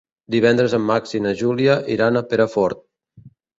Divendres en Max i na Júlia iran a Perafort.